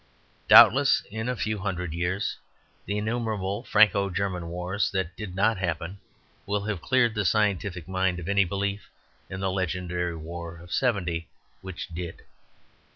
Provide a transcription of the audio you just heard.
Doubtless in a few hundred years the innumerable Franco German wars that did not happen will have cleared the scientific mind of any belief in the legendary war of '70 which did.